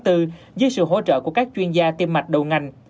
dưới sự hỗ trợ của các chuyên gia tiêm mạch đầu ngành